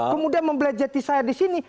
kemudian membelajati saya disini